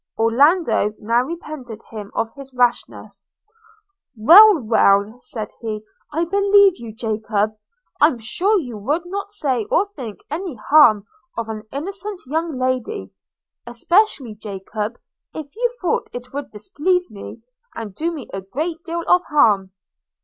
Orlando now repented him of his rashness. – 'Well, well,' said he – 'I believe you, Jacob – I'm sure you would not say or think any harm of an innocent young lady, especially, Jacob, if you thought it would displease me, and do me a great deal of harm.'